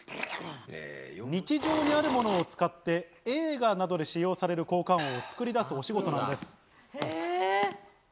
日常にあるものを使って、映画などで使用される効果音を作り出すお仕事なんです。